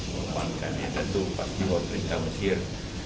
dan itu pasti buat rintang mesir